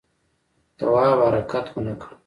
تواب حرکت ونه کړ.